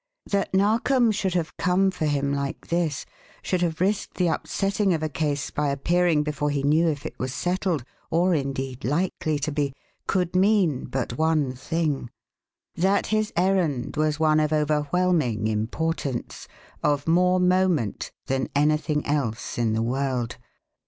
That Narkom should have come for him like this should have risked the upsetting of a case by appearing before he knew if it was settled or, indeed, likely to be could mean but one thing: that his errand was one of overwhelming importance, of more moment than anything else in the world.